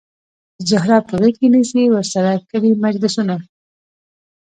زهره په غیږ کې نیسي ورسره کړي مجلسونه